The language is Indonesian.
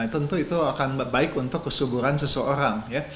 tentu itu akan baik untuk kesuburan seseorang